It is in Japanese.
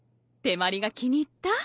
手まりが気に入った？